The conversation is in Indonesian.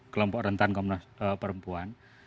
kelompok rentan perempuan